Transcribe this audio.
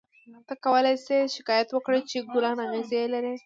ته کولای شې شکایت وکړې چې ګلان اغزي لري.